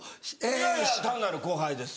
いやいや単なる後輩です